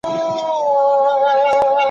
چې د مساپر باران څاڅکي وزغمي.